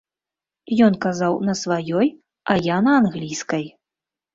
Ён казаў на сваёй, а я на англійскай.